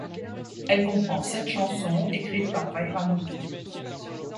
Elle comprend sept chansons, écrites par Vairamuthu.